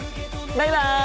バイバイ！